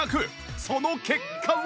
その結果は